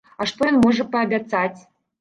А што ён можа паабяцаць?